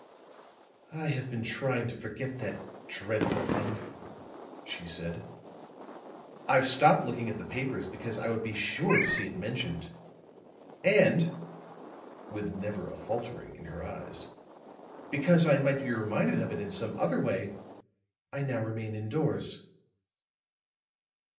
"I have been trying to forget that dreadful thing," she said. "I've stopped looking at the papers, because I would be sure to see it mentioned. And," with never a faltering in her eyes, "because I might be reminded of it in some other way, I now remain indoors."